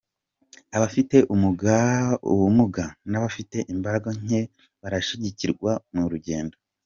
Abafite ubumuga n'abafite imbaraga nke barashyigikirwa mu rugendo.